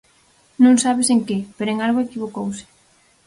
Non sabes en que, pero en algo equivocouse.